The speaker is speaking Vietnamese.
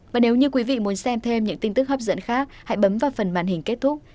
và nếu như quý vị muốn xem thêm những tin tức hấp dẫn khác hãy bấm vào phần màn hình kết thúc